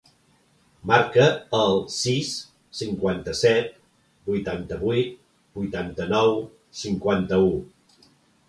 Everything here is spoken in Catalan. Marca el sis, cinquanta-set, vuitanta-vuit, vuitanta-nou, cinquanta-u.